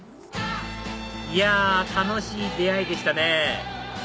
いや楽しい出会いでしたね